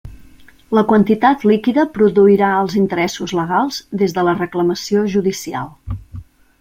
La quantitat líquida produirà els interessos legals des de la reclamació judicial.